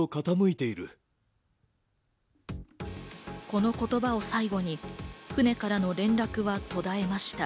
この言葉を最後に、船からの連絡は途絶えました。